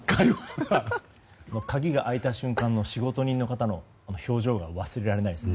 鍵が開いた瞬間の仕事人の方の表情が忘れられないですね。